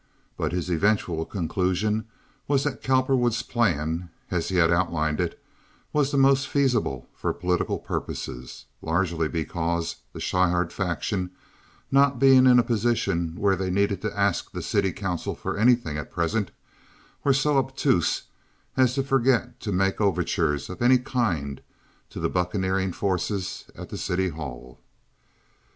But his eventual conclusion was that Cowperwood's plan, as he had outlined it, was the most feasible for political purposes, largely because the Schryhart faction, not being in a position where they needed to ask the city council for anything at present, were so obtuse as to forget to make overtures of any kind to the bucaneering forces at the City Hall.